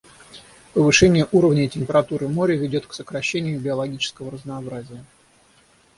Повышение уровня и температуры моря ведет к сокращению биологического разнообразия.